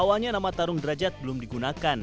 awalnya nama tarung derajat belum digunakan